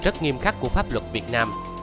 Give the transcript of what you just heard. rất nghiêm khắc của pháp luật việt nam